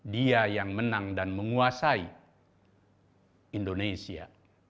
dia yang menang dan menguasai indonesia